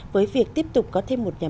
với việc tiếp tục có thêm một nhà máy